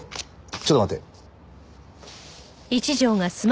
ちょっと待って。